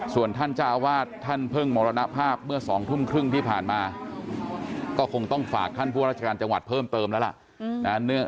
ส่วนท่านเจ้าอาวาสท่านเพิ่งมรณภาพเมื่อ๒ทุ่มครึ่งที่ผ่านมาก็คงต้องฝากท่านผู้ราชการจังหวัดเพิ่มเติมแล้วล่ะ